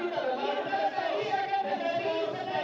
tapi kesepakatan kita